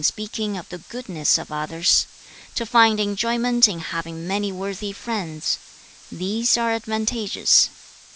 [第七章]孔子曰/君子有三戒/少之時/血氣未定/戒之 speaking of the goodness of others; to find enjoyment in having many worthy friends: these are advantageous.